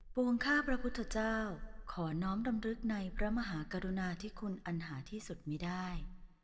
วงข้าพระพุทธเจ้าขอน้อมดำรึกในพระมหากรุณาที่คุณอันหาที่สุดมีได้